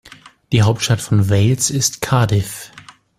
Die Hauptstadt von Wales ist Cardiff.